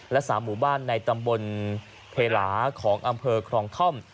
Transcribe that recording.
และ๓หมู่บ้านในตำบลเพลาของอำเภอครองท่อม